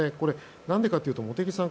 何でかというと茂木さん